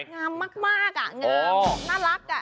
งามมากอ่ะงามน่ารักอ่ะ